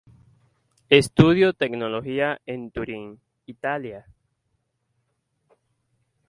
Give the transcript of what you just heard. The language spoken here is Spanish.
Estudió teología en Turín, Italia.